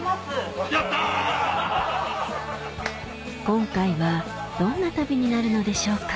今回はどんな旅になるのでしょうか？